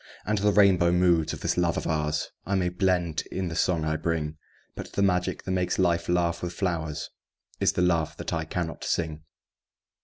And the rainbow moods of this love of ours I may blend in the song I bring; But the magic that makes life laugh with flowers Is the love that I cannot sing.